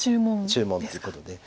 注文ということで。